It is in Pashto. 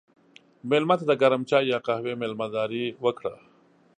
مېلمه ته د ګرم چای یا قهوې میلمهداري وکړه.